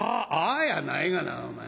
「ああやないがなお前」。